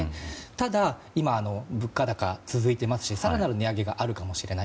ただ、今物価高が続いていますし更なる値上げがあるかもしれない。